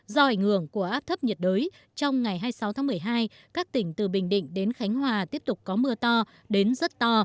do ảnh hưởng của áp thấp nhiệt đới trong ngày hai mươi sáu tháng một mươi hai các tỉnh từ bình định đến khánh hòa tiếp tục có mưa to đến rất to